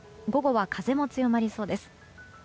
午後は風も強まりそうです。